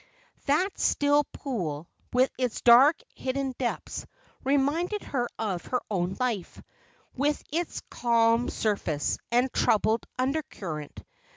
That still pool, with its dark, hidden depths, reminded her of her own life, with its calm surface, and troubled under current.